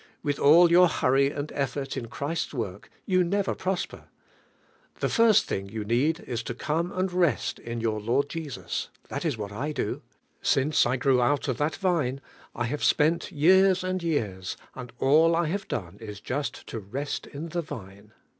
Will' all your hurry and effori in Christ's work .vou never prosper. The fiT Mjjinr Y'~ m """ f1 '"'" eome .and res t in your Lord Jesu s, That is what I do. Since I grew nut of tlnil vine 1 have spent years and years, and all I have done is just lo rest in the viae.